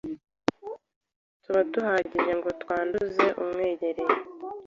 tuba duhagije ngo twanduze umwegereye.